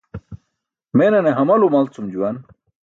Menane hamal umalcum juwan.